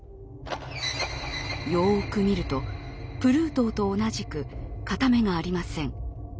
よく見るとプルートーと同じく片目がありません。